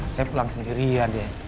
saya pulang sendirian deh